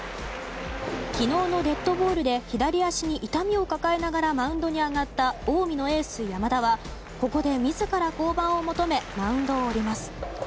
昨日のデッドボールで左足に痛みを抱えながらマウンドに上がった近江のエース、山田はここで自ら降板を求めマウンドを降ります。